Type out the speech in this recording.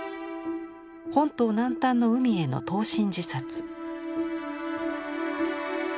本島南端の海への投身自殺。